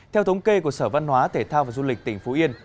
theo thống kê của sở văn hóa thể thao và du lịch tỉnh phú yên